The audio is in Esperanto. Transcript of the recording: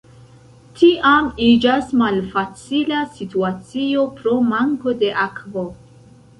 Tiam iĝas malfacila situacio pro manko de akvo.